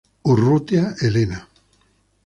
Urrutia, Elena.